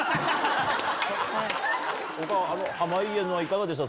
濱家のはいかがでした？